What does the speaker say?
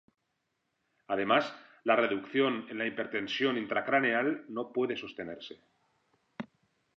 Además, la reducción en la hipertensión intracraneal no puede sostenerse.